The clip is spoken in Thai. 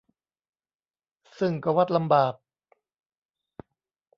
ซึ่งก็วัดลำบาก